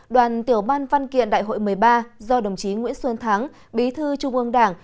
đoàn tiểu ban văn kiện đại hội một mươi ba do đồng chí nguyễn xuân thắng bí thư trung ương đảng